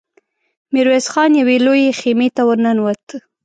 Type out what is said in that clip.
ميرويس خان يوې لويې خيمې ته ور ننوت.